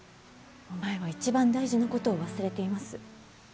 お前は一番大事なことを忘れています。